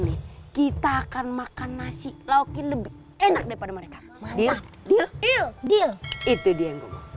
nih kita akan makan nasi lauki lebih enak daripada mereka pantuh itu dia